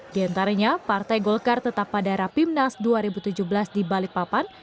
di antaranya partai golkar tetap pada era pimnas dua ribu tujuh belas di balik papan